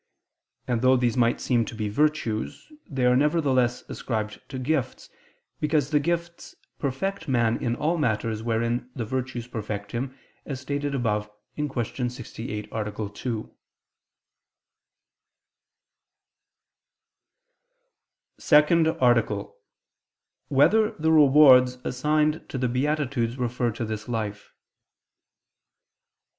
And though these might seem to be virtues, they are nevertheless ascribed to gifts, because the gifts perfect man in all matters wherein the virtues perfect him, as stated above (Q. 68, A. 2). ________________________ SECOND ARTICLE [I II, Q. 69, Art. 2] Whether the Rewards Assigned to the Beatitudes Refer to This Life?